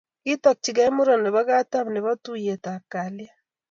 Kitokchikei murot nebo katam nebo tuiyetab kalyet